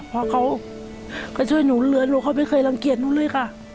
เพราะเขาก็ช่วยหนูเหลือหนูเขาไม่เคยรังเกียจหนูเลยค่ะ